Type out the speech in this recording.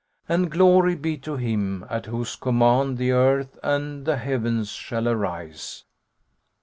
And glory be to Him at whose command the earth and the heavens shall arise!